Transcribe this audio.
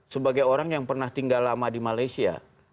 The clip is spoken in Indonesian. sebagai orang yang pernah tinggal lama di malaysia